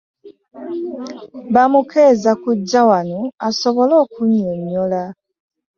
Bamukeeza kujja wano asobole okunyonyola